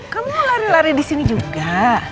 kamu lari lari disini juga